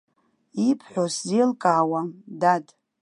Ибҳәо сзеилкаауам, дад.